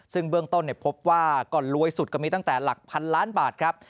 ซึ่งเบื้องต้นพบว่าก่อนรวยสุดก็มีตั้งแต่หลักพันล้านบาทครับ